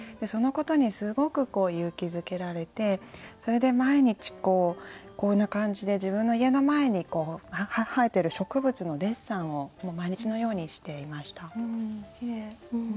そのことにすごく勇気づけられてそれで毎日こうこんな感じで自分の家の前に生えてる植物のデッサンを毎日のようにしていました。